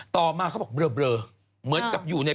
ต่อมาเขาบอกเบลอเหมือนกับอยู่ใน